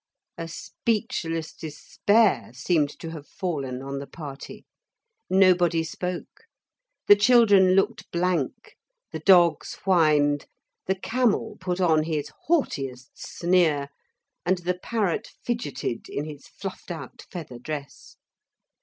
A speechless despair seemed to have fallen on the party. Nobody spoke. The children looked blank, the dogs whined, the camel put on his haughtiest sneer, and the parrot fidgeted in his fluffed out feather dress.